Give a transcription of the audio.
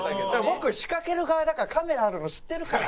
僕仕掛ける側だからカメラあるの知ってるから。